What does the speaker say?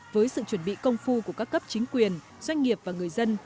với sự chuẩn bị công phu của các cấp chính quyền doanh nghiệp và người dân